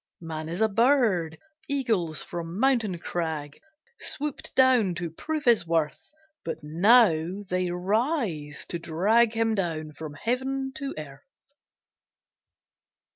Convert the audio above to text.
Man is a bird: Eagles from mountain crag Swooped down to prove his worth; But now they rise to drag Him down from Heaven to earth!